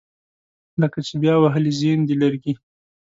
لکه چې بیا وهلي زیم دي لرګي